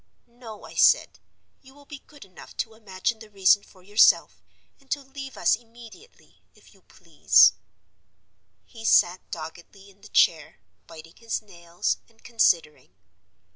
'No,' I said. 'You will be good enough to imagine the reason for yourself, and to leave us immediately, if you please.' He sat doggedly in the chair, biting his nails and considering.